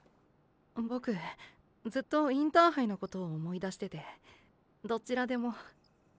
ボクずっとインターハイのことを思い出しててどちらでも。